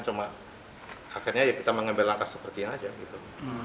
cuma akhirnya kita mengambil langkah seperti ini aja gitu